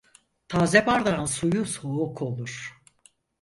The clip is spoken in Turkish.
Taze bardağın suyu soğuk olur.